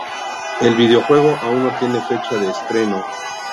El videojuego aún no tiene fecha de estreno.